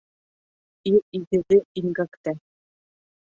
Ир игеҙе имгәктә.